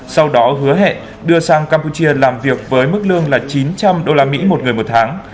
sau đó hứa hẹn đưa sang campuchia làm việc với mức lương là chín trăm linh usd một người một tháng